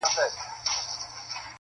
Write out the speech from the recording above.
امتحان هر سړي پر ملا مات کړي,